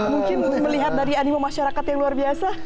mungkin melihat dari animo masyarakat yang luar biasa